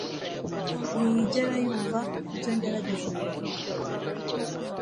Ntiyigera yumva ibyo ngerageza kuvuga